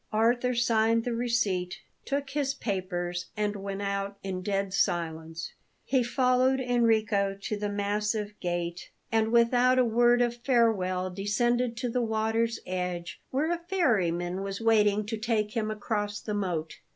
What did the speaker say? Arthur signed the receipt, took his papers, and went out in dead silence. He followed Enrico to the massive gate; and, without a word of farewell, descended to the water's edge, where a ferryman was waiting to take him across the moat.